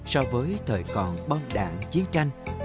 so với thời còn bom đạn chiến tranh